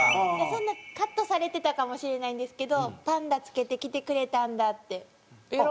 カットされてたかもしれないんですけど「パンダ着けてきてくれたんだ」って。